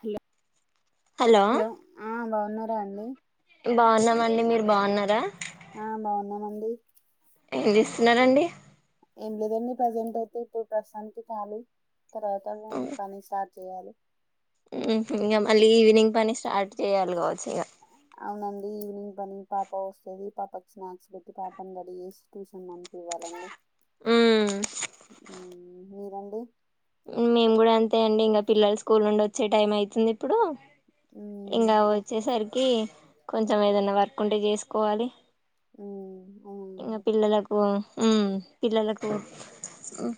Hello hello ఆ బాగున్న రండి బాగున్నామండి మీరు బాగున్నారా ఆ బాగున్నామండి ఏం చేస్తున్నండి ఏం లేదండి ప్రజెంట్ అయితే ఇప్పుడు ప్రస్తుతానికి కాలి తరువాత [unintelligible] చేయాలి ఇంకా మళ్ళీ ఈవినింగ్ పని స్టార్ట్ చేయాలి కావచ్చు ఇంకా అవునండి ఈవినింగ్ పని పాప వస్తేది పాపకి స్నాక్స్ పెట్టి పాపని రెడీ చేసి ట్యూషన్ పంపివ్వాలండి మ్మ్ మీరండి మేము కూడా అంతే అండి ఇంకా పిల్లలు స్కూల్ నుండి వచ్చే టైం అవుతుంది ఇప్పుడు మ్మ్, ఇంకా ఓ వచ్చేసరికి కొంచెం ఏదన్నా వర్క్ ఉంటే చేసుకోవాలి ఉమ్ అ ఇంగ పిల్లలకు ఉమ్ పిల్లలకు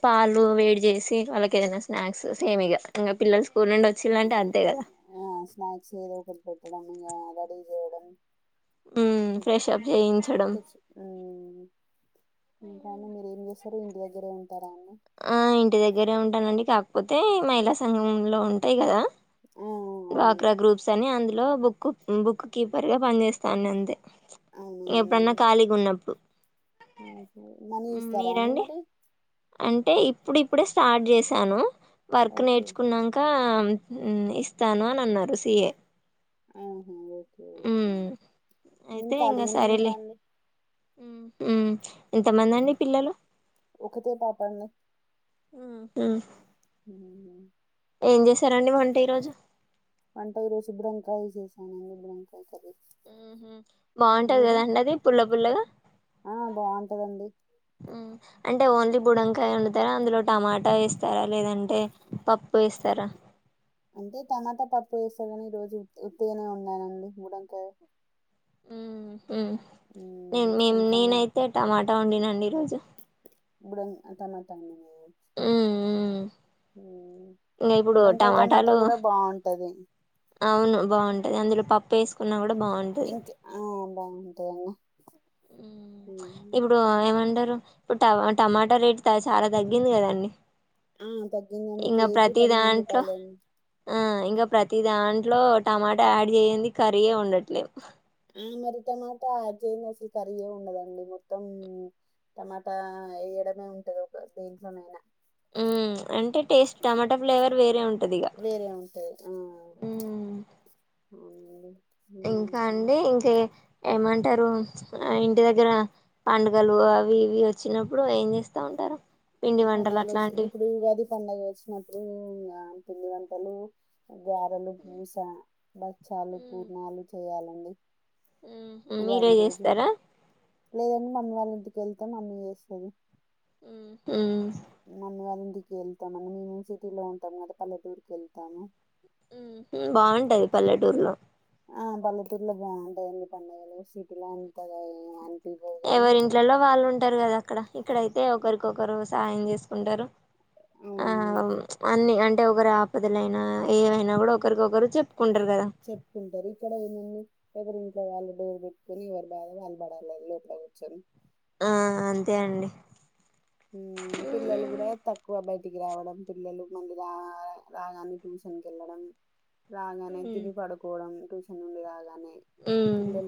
పాలు వేడి చేసి, వాళ్ళకి ఏదైనా స్నాక్స్ సేమ్ ఇగ. ఇంగ పిల్లలు స్కూల్ నుండి వచ్చిలాంటే అన్ తె కదా ఆ స్నాక్స్ ఏదోకటి పెట్టడం, ఇంగా రడీ చేయడం. ఉమ్, ఫ్రెషప్ చేయించడం. టిప్స్. మ్మ్. ఇంకా అండి, మీరేం చేస్తరు? ఇంటి దగ్గరే ఉన్ ఆ, ఇంటి దగ్గరే ఉంటానండి. కాప్ పోతే మహిళా సంఘంలో ఉంటాయి కదా ఆ అవునండి వాక్రా గ్రూప్స్ అని అందులో బుక్ బుక్ కీపర్ గా పనిచేస్తాను అంతే ఇ ఎప్పుడున్న కలిగ ఉన్నపుడు ఉమ్ హూ, మనీ ఇస్తరా అండి మీరండి మరి? అంటే, ఇప్పుడిప్పుడే స్టార్ట్ చేశాను. Work okay. నేర్చుకున్నంకా ఉమ్, ఇస్తాను అనన్నారు సి ఏ. ఆహ ఓ నేను కలిగనే ఉంటా అండి. ఉమ్ హు. ఎంతమందండి హ్మ్. పిల్లలు? ఒకతే పాప అండి. ఉమ్ హ్మ్. ఏం చేశారండి వంట ఈరోజు? వంట ఈరోజు, బుడంకాయ్ చేశానండి బుడంకాయ్ కర్రి. ఉమ్ హు, బాగుంటది కదండి అది పుల్ల పుల్లగా? ఆ! బావుంటదండి. అంటే ఓన్లీ బుడంకాయ వండుతరా? అందులో టమాట్ ట ఏస్తరా? లేదంటే పప్పు ఏస్తరా? అంటే టమాటా పప్పు ఏస్త కని, ఈ రోజు ఉట్ ఉత్తిగనే వండానండి బూడమ్కాయ. ఉమ్ ఉమ్ నేన్ నేను సొంతంగా నేనైతే టమాట వండినండి ఈరోజు. బుడమ్ అంత [unintelligible] ఉమ్ ఉమ్, హ్మ్. ఇంక ఇప్పుడు బుడంకాయ టమాటా టమాటాలు. గూడా బావుంటది. అవును బాగుంటద్ అందులో పప్పు ఏసుకున్నా కూడ బాగుంటది. బాగుంటయ్ అన్న. ఉమ్, ఇప్పుడు ఏమంటరు? డు ఇప్పుడు టమా టమాట రేట్ త చాలా తగ్గిందికదండి. ఆ తగ్గిందండి కేజీ పదిహేను రూపాయలం ఇంక ప్రతి దాంట్లో టమాటా యాడ్ చేయ్యంది కర్రీయే ఉండట్లేద్ ఆ మరి టమాటా యాడ్ చేయంది అసలు కర్రీయె ఉండదండి మొత్తం టమాటా వేయడమే ఉంటది ఒక దేంట్లోనైనా ఊ అంటే టేస్ట్ టమాటా ఫ్లేవర్ వేరే ఉంటది ఇగ వేరే ఊ ఊ [unintelligible] ఇంకా అండి ఇంకే ఏమంటారు ప్చ్ ఇంటి దగ్గర పండుగలు అవి ఇవి వచ్చినప్పుడు ఏం చేస్తా ఉంటారు. పిండి వంటలు పండగలు వచ్చి, అట్లాంటివి ఇప్పుడు ఉగాది పండగ వచ్చినప్పుడు ఇంగ. పిండివంటలు, గారెలు, పూస, బక్ చాలు పూర్ణాలు చేయాలన్ అండి ఉమ్ ఉమ్ ఉగాది మీరే ఈరోజు చేస్తారా లేదండి అమ్మ వాల్లింటికి ఎంత మనీ ఏసిన్ ఊ నన్ను గానీ ఇంటికి కెళ్తన్నము, మేము సిటీలో ఉంటాము కదా పల్లెటూరుకెళ్తాము ఉమ్ బాగుంటది పల్లెటూరులో ఆ పల్లెటూరులో బాగుంటాదండి పండగలు సిటీలో అంతగా ఏ అన్ ఎవరి ఇంట్లలో వాళ్ళు ఉంటారు కదా అక్కడ, ఇక్కడైతే ఒకరికొకరు సాయం చేస్ ఉండరు ఆ అవునండి అవును ప్చ్ అన్ని అన్ ఒకరు ఆపదలైనా ఏవైనా గూడా ఒకరికొకరు అ చెప్పుకుంటారు కదా చెప్పుకుంటారు ఇక్కడ ఏముంది. ఎవరి ఇంట్లో వాళ్ళు డోరు పెట్టుకొని ఎవరి బాధ వాళ్ళు పడాల లోపడా కూర్చొని. ఆ అంతే అండి. ఉమ్ పిల్లలు కూడా తక్కువ బ ఇది కావడం పిల్లలు ముందు రా రాగానే ట్యూషన్ కెళ్ళడం. రాంగనే ఉమ్ తిని పడుకోవడం. ట్యూషన్ నుండి రాగ అని ఉమ్ పిల్లల